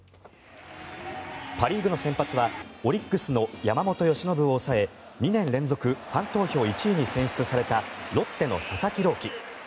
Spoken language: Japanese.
パ・リーグの先発はオリックスの山本由伸を抑え２年連続ファン投票１位に選出されたロッテの佐々木朗希。